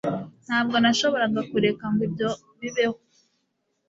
Ntabwo nashoboraga kureka ngo ibyo bibeho